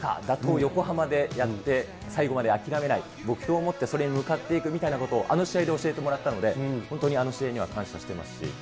横浜でやって、最後まで諦めない、目標を持ってそれに向かっていくみたいなことをあの試合で教えてもらったので、本当にあの試合には感謝してますし。